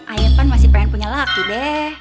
ayah pan masih pengen punya laki deh